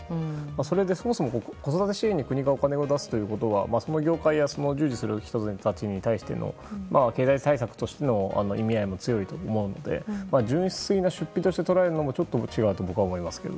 それで、そもそも子育て支援に国がお金を出すということはその業界やそこに従事する人たちに対しての経済対策としての意味合いも強いと思うので純粋な出費として捉えるのも僕は違うと思いますが。